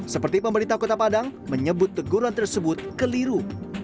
seperti pemerintah kota padang menyebut teguran tersebut keliru